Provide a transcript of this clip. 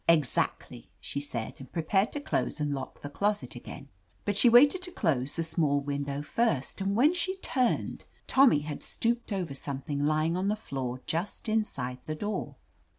"Exactly/' she said and prepared to close and lock the closet again. But she waited to close the small window first, and when she turned. Tommy had stooped over something lying on the floor just inside the door.